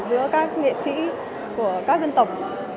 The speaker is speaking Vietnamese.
giữa các nghệ sĩ của các dân tộc